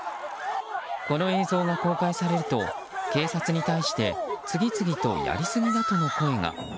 この映像が公開されると警察に対して次々とやりすぎだとの声が。